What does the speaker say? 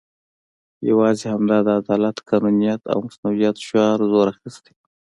یوازې همدا د عدالت، قانونیت او مصونیت شعار زور اخستی وو.